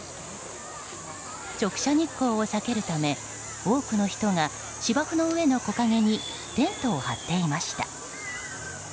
直射日光を避けるため多くの人が芝生の上の木陰にテントを張っていました。